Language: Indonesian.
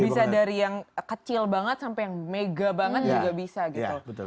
bisa dari yang kecil banget sampai yang mega banget juga bisa gitu